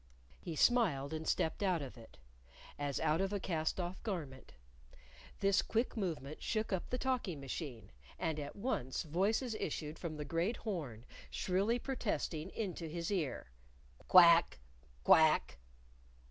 He smiled, and stepped out of it, as out of a cast off garment. This quick movement shook up the talking machine, and at once voices issued from the great horn shrilly protesting into his ear "Quack! Quack!